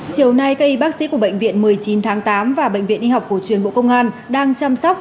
chiều nay các y bác sĩ của bệnh viện một mươi chín tháng tám và bệnh viện y học của chuyên bộ công an đang chăm sóc